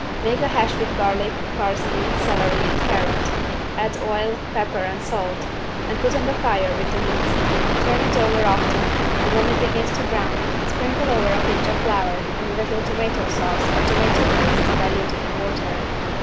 Make a hash with garlic, parsley, celery and carrot; add oil, pepper and salt and put on the fire with the meat. Turn it over often, and when it begins to brown, sprinkle over a pinch of flour and a little tomato sauce or tomato paste diluted in water.